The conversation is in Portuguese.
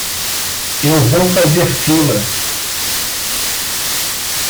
Eu vou fazer fila.